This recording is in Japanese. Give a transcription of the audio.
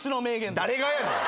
誰がやねん！